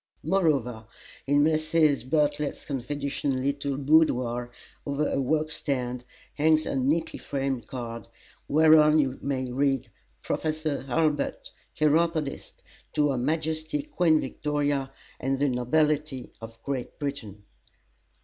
Moreover, in Mrs. B.'s confidential little boudoir, over her work stand, hangs a neatly framed card, whereon you may read: PROFESSOR HURLBUT, Chiropodist To her Majesty Queen Victoria, and the Nobility of Great Britain.